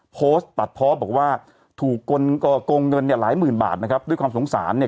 โพสต์ตัดเพาะบอกว่าถูกโกงเงินเนี่ยหลายหมื่นบาทนะครับด้วยความสงสารเนี่ย